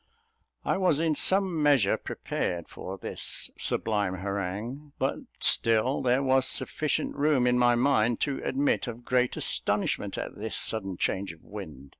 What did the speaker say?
I was in some measure prepared for this sublime harangue; but still there was sufficient room in my mind to admit of great astonishment at this sudden change of wind.